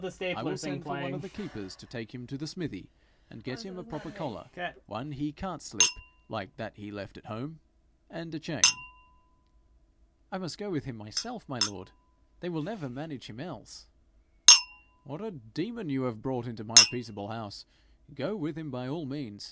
I will send for one of the keepers to take him to the smithy, and get him a proper collar one he can't slip like that he left at home and a chain.' 'I must go with him myself, my lord. They will never manage him else.' 'What a demon you have brought into my peaceable house! Go with him, by all means.